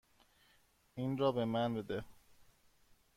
این را به من بده.